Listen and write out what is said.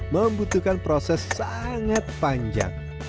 membutuhkan proses sangat panjang